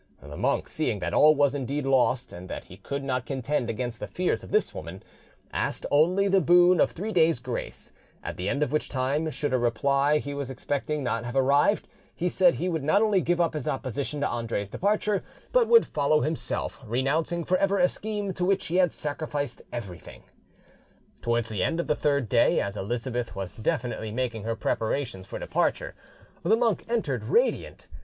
The monk, seeing that all was indeed lost and that he could not contend against the fears of this woman, asked only the boon of three days' grace, at the end of which time, should a reply he was expecting have not arrived, he said he would not only give up his opposition to Andre's departure, but would follow himself, renouncing for ever a scheme to which he had sacrificed everything. Towards the end of the third day, as Elizabeth was definitely making her preparations for departure, the monk entered radiant.